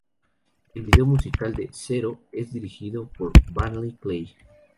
El video musical de "Zero" es dirigido por Barney Clay.